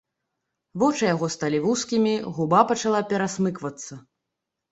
Вочы яго сталі вузкімі, губа пачала перасмыквацца.